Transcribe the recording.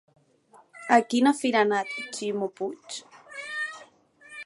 A quina fira ha anat Ximo Puig?